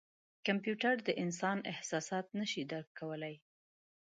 کمپیوټر د انسان احساسات نه شي درک کولای.